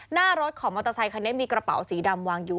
หน้ารถของมอเตอร์ไซคันนี้มีกระเป๋าสีดำวางอยู่